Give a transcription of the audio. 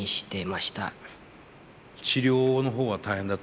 治療の方は大変だった？